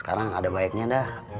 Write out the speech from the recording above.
sekarang ada baiknya dah